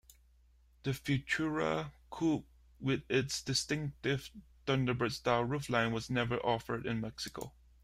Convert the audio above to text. The Futura coupe with its distinctive Thunderbird-styled roofline was never offered in Mexico.